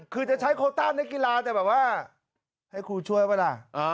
คือจะใช้โคต้านักกีฬาแต่แบบว่าให้ครูช่วยป่ะล่ะ